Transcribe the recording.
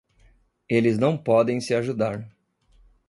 Eles não podem se ajudar.